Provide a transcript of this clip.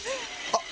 あっ！